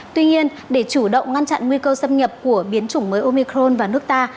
tuy nhiên để chủ động ngăn chặn nguy cơ xâm nhập của biến chủng mới omicron vào nước ta